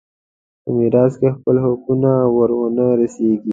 په میراث کې خپل حقونه ور ونه رسېږي.